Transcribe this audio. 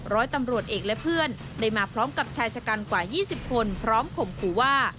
ร้อยตำรวจเอกและเพื่อนได้มาพร้อมกับชายชะกันกว่า๒๐คนพร้อมข่มขู่ว่า